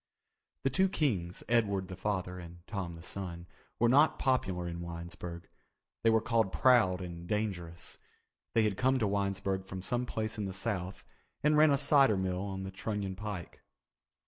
The two Kings, Edward the father, and Tom the son, were not popular in Winesburg. They were called proud and dangerous. They had come to Winesburg from some place in the South and ran a cider mill on the Trunion Pike.